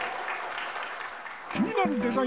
気になるデザイン